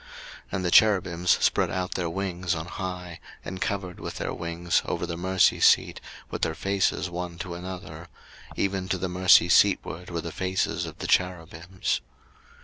02:037:009 And the cherubims spread out their wings on high, and covered with their wings over the mercy seat, with their faces one to another; even to the mercy seatward were the faces of the cherubims.